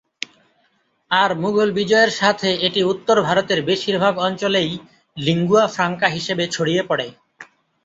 আর মুঘল বিজয়ের সাথে এটি উত্তর ভারতের বেশিরভাগ অঞ্চলেই লিঙ্গুয়া ফ্রাঙ্কা হিসেবে ছড়িয়ে পড়ে।